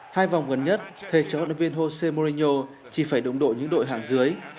hai vòng gần nhất thề cho huấn luyện viên jose mourinho chỉ phải đồng đội những đội hạng dưới